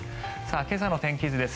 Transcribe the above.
今朝の天気図です。